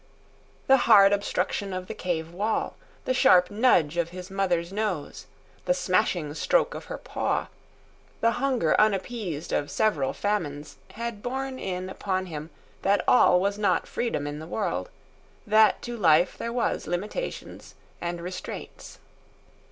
The hard obstruction of the cave wall, the sharp nudge of his mother's nose, the smashing stroke of her paw, the hunger unappeased of several famines, had borne in upon him that all was not freedom in the world, that to life there was limitations and restraints.